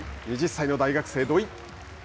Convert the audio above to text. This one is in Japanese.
２０歳の大学生、土井。